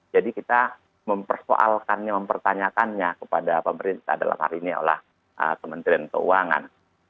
jadi kita mempersoalkannya mempertanyakannya kepada pemerintah dalam hal ini yalah kementerian keuangan